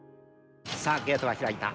さあゲートは開いた。